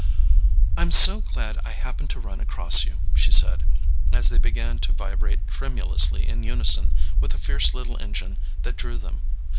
"I'm so glad I happened to run across you," she said, as they began to vibrate tremulously in unison with the fierce little engine that drew them.